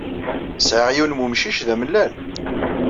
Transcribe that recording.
Sɛiɣ yiwen n wemcic d amellal.